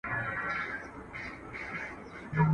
زه د غم تخم کرمه او ژوندی پر دنیا یمه.